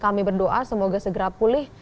kami berdoa semoga segera pulih